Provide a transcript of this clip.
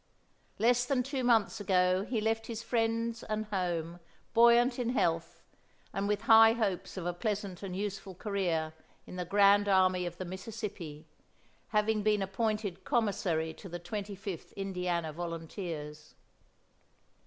Less than two months ago he left his friends and home, buoyant in health, and with high hopes of a pleasant and useful career in the grand army of the Mississippi, having been appointed commissary to the Twenty fifth Indiana Volunteers.